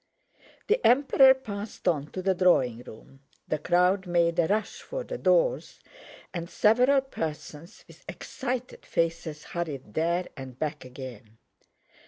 The Emperor passed on to the drawing room, the crowd made a rush for the doors, and several persons with excited faces hurried there and back again.